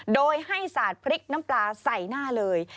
โดยให้สาดพริกน้ำปลาใส่หน้าเลย